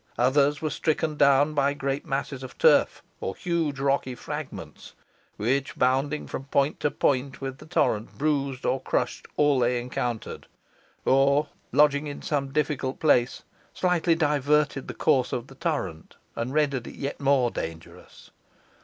Others were stricken down by great masses of turf, or huge rocky fragments, which, bounding from point to point with the torrent, bruised or crushed all they encountered, or, lodging in some difficult place, slightly diverted the course of the torrent, and rendered it yet more dangerous.